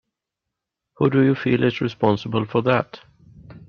Who do you feel is responsible for that?